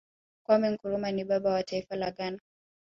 kwame nkrumah ni baba wa taifa la ghana